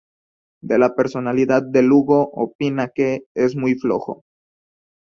De la personalidad de Lugo, opina que "es muy flojo"